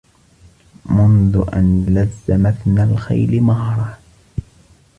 منذ أن لز مثنى الخيل مهره